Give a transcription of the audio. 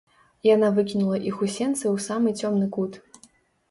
Яна выкінула іх у сенцы ў самы цёмны кут.